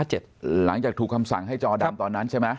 หลังจากถูกคำสั่งให้จอดำตอนนั้นใช่ไหม